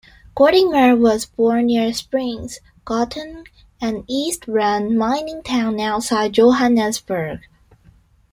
Gordimer was born near Springs, Gauteng, an East Rand mining town outside Johannesburg.